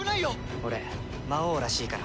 俺魔王らしいから。